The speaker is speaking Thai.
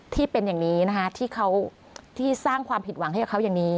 ที่เป็นอย่างนี้นะคะที่เขาที่สร้างความผิดหวังให้กับเขาอย่างนี้